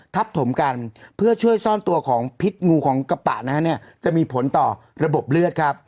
ถมกันเพื่อช่วยซ่อนตัวของพิษงูของกระปะนะฮะเนี่ยจะมีผลต่อระบบเลือดครับ